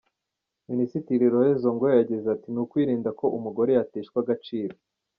Minisitiri Laure Zongo yagize ati “…ni ukwirinda ko umugore yateshwa agaciro.